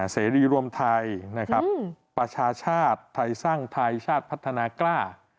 เสรีรวมไทยนะครับประชาชาติไทยสร้างไทยชาติพัฒนากล้า